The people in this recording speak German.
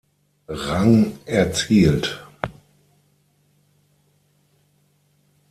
Rang erzielt.